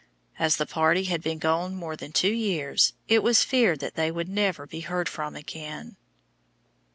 As the party had been gone more than two years, it was feared that they would never be heard from again.